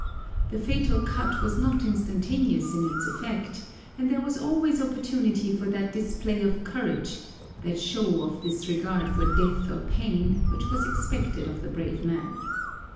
The fatal cut was not instantaneous in its effect, and there was always opportunity for that display of courage that show of disregard for death or pain which was expected of the brave man.